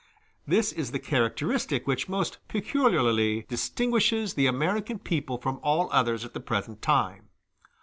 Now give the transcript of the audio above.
This is the characteristic which most peculiarly distinguishes the American people from all others at the present time.